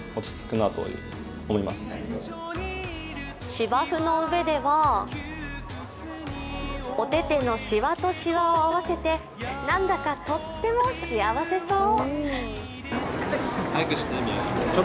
芝生の上では、お手手のしわとしわを合わせてなんだか、とっても幸せそう。